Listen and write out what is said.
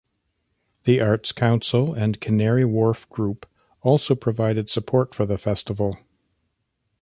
The Arts Council and Canary Wharf Group also provided support for the festival.